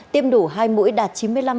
tiêm đủ hai mũi đạt chín mươi năm sáu